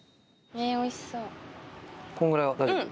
おいしそう。